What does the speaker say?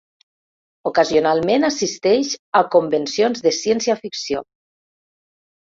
Ocasionalment assisteix a convencions de ciència-ficció.